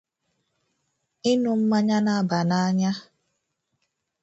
ịñụ mmanya na-aba n'anya